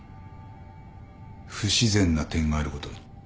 不自然な点があることに。